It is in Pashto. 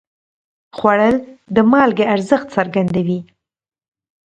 خوړل د مالګې ارزښت څرګندوي